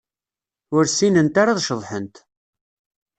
Ur ssinent ara ad ceḍḥent.